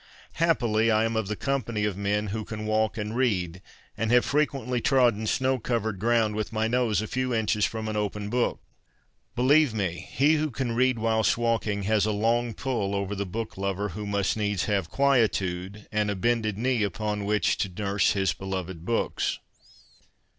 Happily, I am of the company of men who can walk and read, and have frequently trodden snow covered ground with my nose a few inches from an open book. Believe me, he who can read whilst walking has a long pull over the book lover who must needs have quietude and a bended knee upon which to nurse his beloved books.